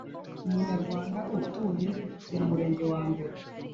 umunyarwanda utuye mu mu Murenge wa mbere